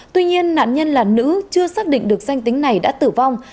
tuy nhiên nạn nhân là nữ chưa xác định được danh tính này đã tử vong